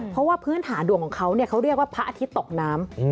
เพราะว่าพื้นฐานดวงของเขาเขาเรียกว่าพระอาทิตย์ตกน้ำ